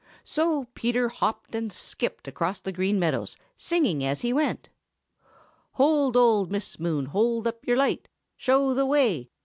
So Peter hopped and skipped across the Green Meadows, singing as he went; "Hold, ol' Miss Moon, hold up your light! Show the way!